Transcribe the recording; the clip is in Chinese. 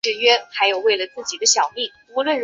知识网络是知识元之间相互关联形成的网络。